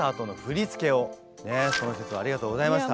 その節はありがとうございました。